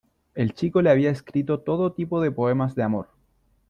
El chico le había escrito todo tipo de poemas de amor.